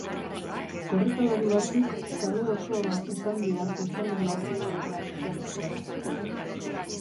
Korrikalari batzuk kale osoa izan dira zezenen aurpegietan itsatsita.